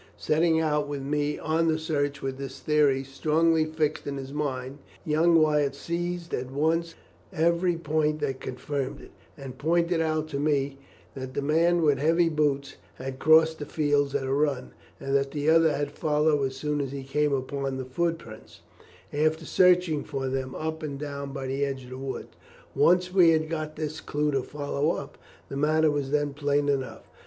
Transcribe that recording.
Setting out with me on the search with this theory strongly fixed in his mind, young Wyatt seized at once every point that confirmed it, and pointed out to me that the man with heavy boots had crossed the fields at a run, and that the other had followed as soon as he came upon the footprints, after searching for them up and down by the edge of the wood. Once we had got this clue to follow up, the matter was then plain enough.